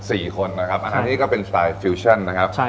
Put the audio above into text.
สี่คนนะครับใช่อาหารนี้ก็เป็นสไตล์ฟิวชั่นนะครับใช่